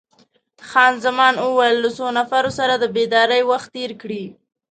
خان زمان وویل: له څو نفرو سره د بېدارۍ وخت تیر کړی؟